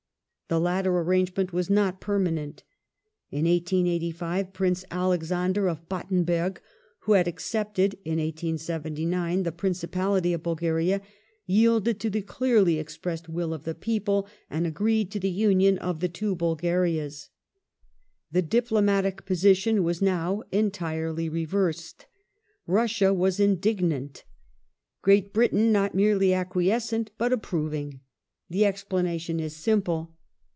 The latter arrangement was not perma nent. In 1885 Prince Alexander of Battenberg, who had accepted in 1879 the Principality of Bulgaria, yielded to the clearly ex pressed will of the people and agreed to the union of the two Bulgarias. The diplomatic position was now entirely reversed : Russia was indignant ; Great Britain not merely acquiescent but approving. The explanation is simple.